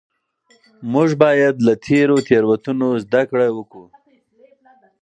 موږ باید له تیرو تېروتنو زده کړه وکړو.